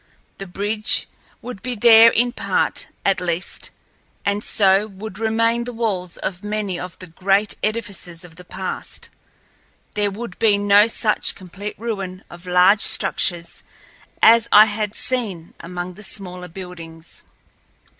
The bridge would be there in part, at least, and so would remain the walls of many of the great edifices of the past. There would be no such complete ruin of large structures as I had seen among the smaller buildings.